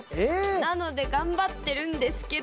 なので頑張ってるんですけど。